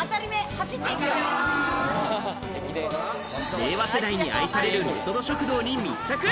令和世代に愛されるレトロ食堂に密着。